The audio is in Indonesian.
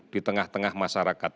di tengah tengah masyarakat